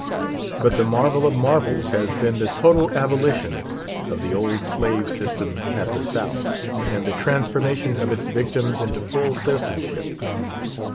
But the marvel of marvels has been the total abolition of the old slave system at the South, and the transformation of its victims into full citizenship.